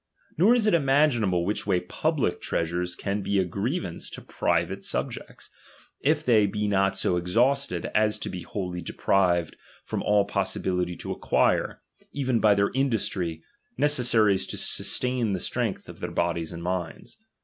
Nor is it imaginable wbich way public treasures can be a grievance to private subjects, if they be not so exhausted as to be wholly deprived from all possibility to acquire, even by their industry, necessaries to sustain the strength of their bodies and minds.